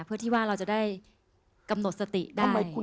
เพื่อที่ว่าเราจะได้กำหนดสติได้